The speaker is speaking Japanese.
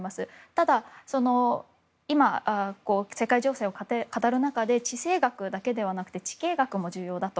ただ、今、世界情勢を語る中で地政学だけではなくて地経学も重要だと。